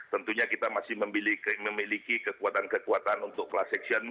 tentunya kita masih memiliki kekuatan kekuatan untuk kelas seksian